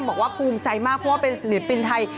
บอกว่าภูมิใจมากเพราะว่าเป็นศิลปินไทย